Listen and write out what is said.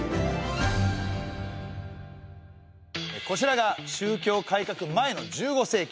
こちらが宗教改革前の１５世紀。